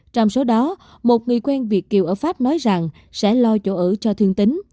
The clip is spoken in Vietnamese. trong số đó một người quen việt kiều ở pháp nói rằng sẽ lo chỗ ở cho thương tính